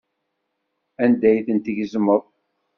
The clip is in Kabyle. Anda ay tent-tgezmeḍ?